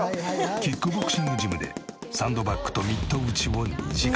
キックボクシングジムでサンドバッグとミット打ちを２時間。